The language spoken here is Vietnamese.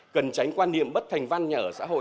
cần tránh quan niệm bất thành văn nhà ở xã hội